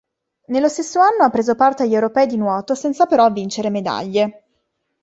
Nello stesso anno ha preso parte agli europei di nuoto senza però vincere medaglie.